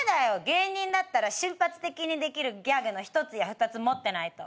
芸人だったら瞬発的にできるギャグの一つや二つ持ってないと。